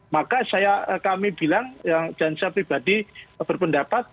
maka saya kami bilang yang dan saya pribadi berpendapat